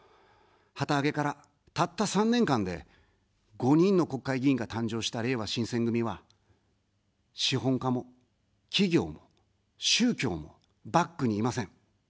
旗揚げから、たった３年間で、５人の国会議員が誕生した、れいわ新選組は、資本家も企業も宗教もバックにいません。